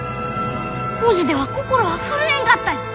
文字では心は震えんかったに！